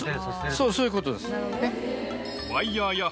そういうことです。